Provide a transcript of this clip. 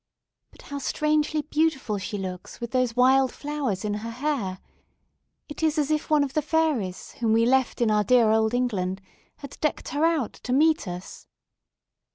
But how strangely beautiful she looks with those wild flowers in her hair! It is as if one of the fairies, whom we left in dear old England, had decked her out to meet us."